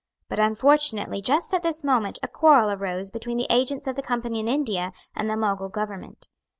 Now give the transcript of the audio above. But unfortunately just at this moment a quarrel arose between the agents of the Company in India and the Mogul Government.